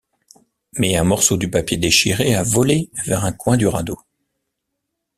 Mais un morceau du papier déchiré a volé vers un coin du radeau.